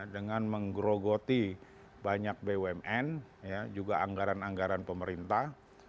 dengan menggerogoti banyak bumn juga anggaran anggaran pemerintah